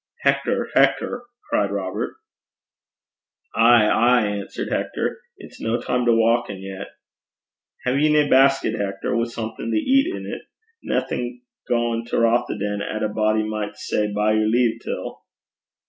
'Hector! Hector!' cried Robert. 'Ay, ay,' answered Hector. 'It's no time to wauken yet.' 'Hae ye nae basket, Hector, wi' something to eat in 't naething gaein' to Rothieden 'at a body micht say by yer leave till?'